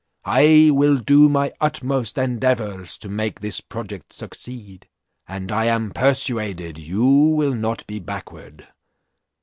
I will do my utmost endeavours to make this project succeed, and I am persuaded you will not be backward.